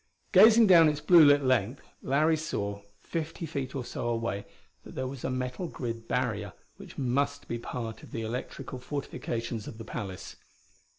Gazing down its blue lit length Larry saw, fifty feet or so away, that there was a metal grid barrier which must be part of the electrical fortifications of the palace.